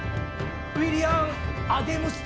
「ウィリアムアデムス」と。